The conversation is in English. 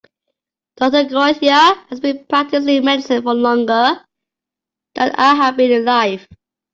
Doctor Garcia has been practicing medicine for longer than I have been alive.